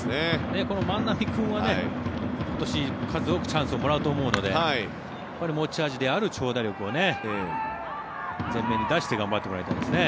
この万波君は今年、数多くチャンスをもらうと思うので持ち味である長打力を前面に出して頑張ってもらいたいですね。